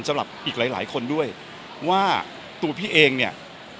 สำหรับอีกหลายหลายคนด้วยว่าตัวพี่เองเนี่ย